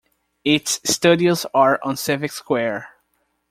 Its studios are on Civic Square.